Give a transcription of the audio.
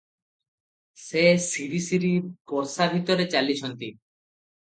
ସେ ସିରିସିରି ବର୍ଷାଭିତରେ ଚାଲିଛନ୍ତି ।